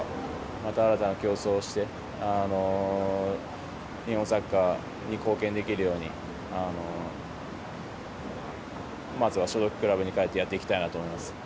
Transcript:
また新たな競争をして、日本サッカーに貢献できるように、まずは所属クラブに帰ってやっていきたいなと思います。